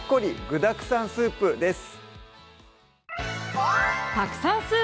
具だくさんスープ」です